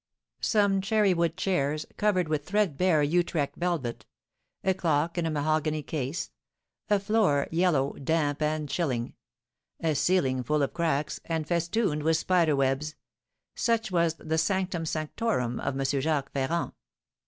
Some cherry wood chairs, covered with threadbare Utrecht velvet; a clock in a mahogany case; a floor yellow, damp, and chilling; a ceiling full of cracks, and festooned with spiders' webs, such was the sanctum sanctorum of M. Jacques Ferrand.